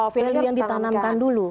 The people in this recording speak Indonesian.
value yang ditanamkan dulu